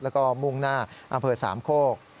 แล้วก็มุ่งหน้าอำเภอสามโคก